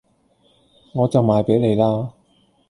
我就賣俾你啦